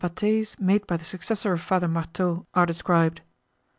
Pâtés made by the Successor of Father Marteau are described.